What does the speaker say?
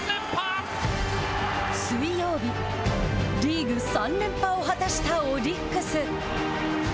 水曜日、リーグ３連覇を果たしたオリックス。